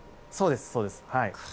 そうです。